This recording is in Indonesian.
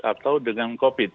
atau dengan covid sembilan belas